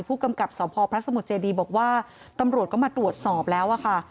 ผู้กำกับสพพระสมุทรเจดีบอกว่าตำรวจก็มาตรวจสอบแล้วอะค่ะ